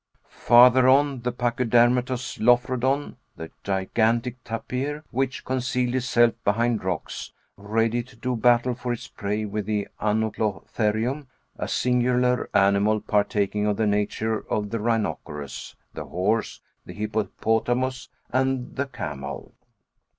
Farther on, the pachydermatous Lophrodon, that gigantic tapir, which concealed itself behind rocks, ready to do battle for its prey with the Anoplotherium, a singular animal partaking of the nature of the rhinoceros, the horse, the hippopotamus and the camel.